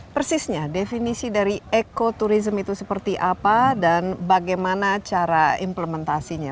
persisnya definisi dari ekoturism itu seperti apa dan bagaimana cara implementasinya